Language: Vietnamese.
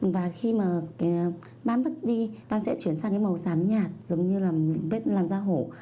và khi mà ban mất đi ban sẽ chuyển sang màu sám nhạt giống như là bếp làn da hổ